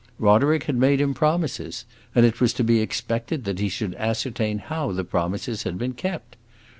Roderick had made him promises, and it was to be expected that he should ascertain how the promises had been kept.